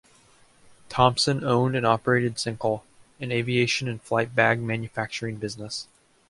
Thompson owned and operated Cencal, an aviation and flight bag manufacturing business.